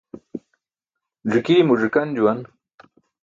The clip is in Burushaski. Ẓi̇kii̇ mo ẓi̇kan juwan.